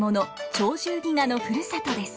「鳥獣戯画」のふるさとです。